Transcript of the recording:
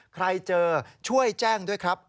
ใครเจอช่วยแจ้งด้วยครับ